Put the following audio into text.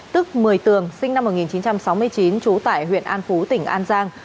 tức một mươi tường sinh năm một nghìn chín trăm sáu mươi chín trú tại huyện an phú tỉnh an giang